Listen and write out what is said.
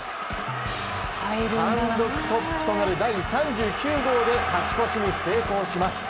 単独トップとなる第３９号で勝ち越しに成功します。